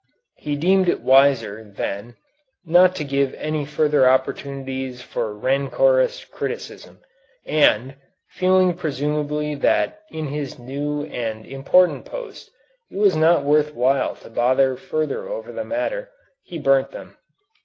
He deemed it wiser, then, not to give any further opportunities for rancorous criticism, and, feeling presumably that in his new and important post it was not worth while to bother further over the matter, he burnt them.